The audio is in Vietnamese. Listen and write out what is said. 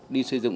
đi xây dựng